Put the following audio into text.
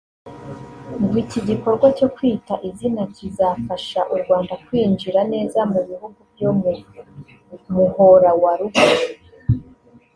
ngo iki gikorwa cyo Kwita Izina kizafasha u Rwanda kwinjira neza mu bihugu byo mu Muhora wa Ruguru